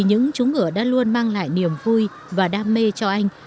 những chú ngựa đã luôn mang lại niềm vui và đam mê cho anh